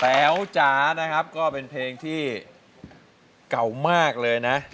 ๋วจ๋านะครับก็เป็นเพลงที่เก่ามากเลยนะ